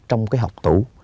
trong cái học tủ